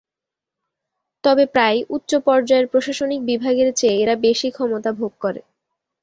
তবে প্রায়ই উচ্চ পর্যায়ের প্রশাসনিক বিভাগের চেয়ে এরা বেশি ক্ষমতা ভোগ করে।